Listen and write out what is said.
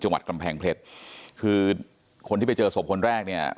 จังหวัดกำแพงเพชรคือคนที่ไปเจอศพคนแรกเนี่ย